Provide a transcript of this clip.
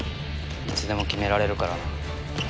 いつでも決められるからなあ